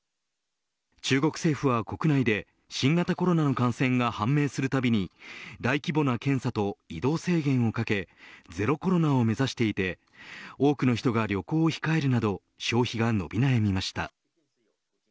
中国政府は国内で新型コロナの感染が判明するたびに大規模な検査と移動制限をかけゼロコロナを目指していて多くの人が旅行を控えるなど消費が伸び悩みました。